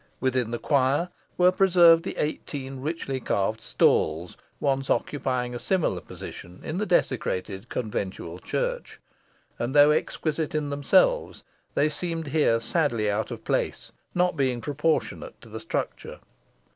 Within the choir were preserved the eighteen richly carved stalls once occupying a similar position in the desecrated conventual church: and though exquisite in themselves, they seemed here sadly out of place, not being proportionate to the structure.